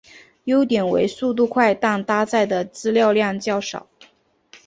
优点为速度快但搭载的资料量较少。